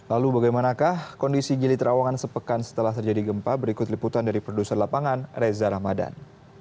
lalu bagaimanakah kondisi gili terawangan sepekan setelah terjadi gempa berikut liputan dari produser lapangan reza ramadan